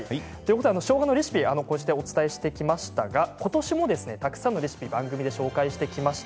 しょうがのレシピをお伝えしてきましたが今年もたくさんのレシピを番組で紹介してきました。